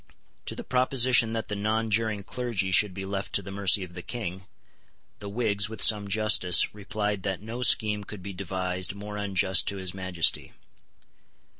To the proposition that the nonjuring clergy should be left to the mercy of the King, the Whigs, with some justice, replied that no scheme could be devised more unjust to his Majesty.